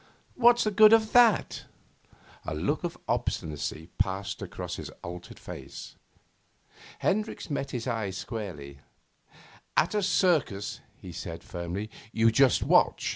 'What's the good of that?' A look of obstinacy passed across his altered face. Hendricks met his eyes squarely. 'At a circus,' he said firmly, 'you just watch.